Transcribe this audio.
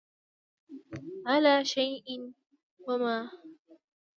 انګلیسي د انسان ذهن خلاصوي